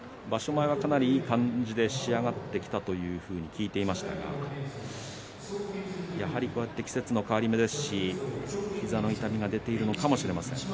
前、かなりいい感じで仕上がってきたというふうに聞いていましたが季節の変わり目ですし膝の痛みが出ているのかもしれません。